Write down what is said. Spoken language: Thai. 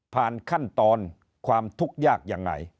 ผ่านขั้นตอนความทุกข์ยากยังไง